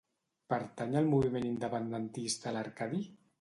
Pertany al moviment independentista l'Arcadi?